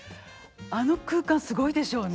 あの空間すごいでしょうね。